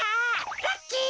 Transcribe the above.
ラッキー。